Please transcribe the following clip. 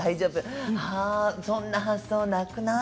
そんな発想はなくない？